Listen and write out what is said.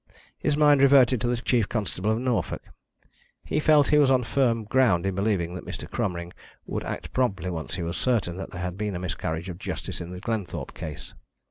His mind reverted to the chief constable of Norfolk. He felt he was on firm ground in believing that Mr. Cromering would act promptly once he was certain that there had been a miscarriage of justice in the Glenthorpe case.